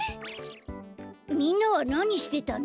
みんなはなにしてたの？